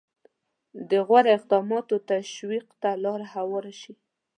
د غوره اقداماتو تشویق ته لاره هواره شي.